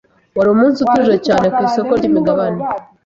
Wari umunsi utuje cyane ku isoko ryimigabane.